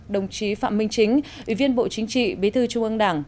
đồng chí phạm minh chính ủy viên bộ chính trị bí thư trung ương đảng